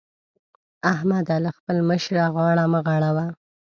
احمده! له خپل مشره غاړه مه غړوه.